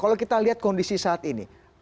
kalau kita lihat kondisi saat ini